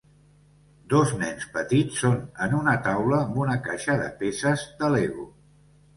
Dos nens petits són en una taula amb una caixa de peces de Lego.